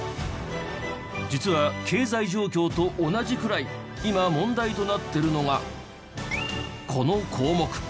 実は経済状況と同じくらい今問題となってるのがこの項目。